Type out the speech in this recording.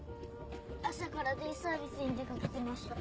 朝からデイサービスに出掛けてました。